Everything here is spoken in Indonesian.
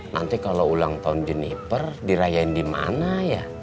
nanti kalau ulang tahun jeniper dirayain di mana ya